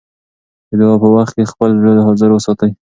د دعا په وخت کې خپل زړه حاضر وساتئ.